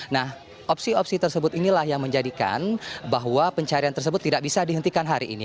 nah opsi opsi tersebut inilah yang menjadikan bahwa pencarian tersebut tidak bisa dihentikan hari ini